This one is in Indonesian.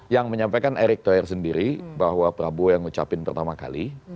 yang menyampaikan erik toher sendiri bahwa prabowo yang mengucapkan pertama kali